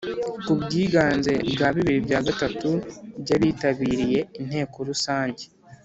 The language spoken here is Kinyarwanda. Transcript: ku bwiganze bwa bibiri bya gatatu by’abitabiriye Inteko Rusange.